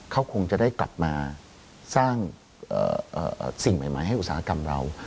เขาคงจะได้กลับมาสร้างสิ่งใหม่ให้อุตสาหกรรมเรา